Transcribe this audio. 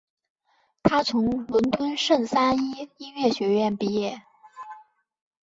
他从伦敦圣三一音乐学院毕业。